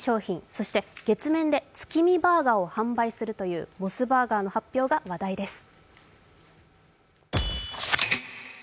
そして月面で月見バーガーを販売するというモスバーガーの発表が話題です。